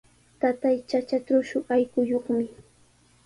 Taqay chacha trusku allquyuqmi.